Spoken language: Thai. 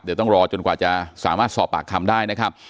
เดี๋ยวต้องรอจนกว่าจะสามารถสอบปากคำได้นะครับ